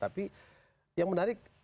tapi yang menarik